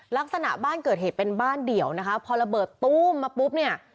ลักษณะบ้านเกิดเหตุเป็นบ้านเดี่ยวนะคะพอระเบิดตู้มมาปุ๊บเนี่ย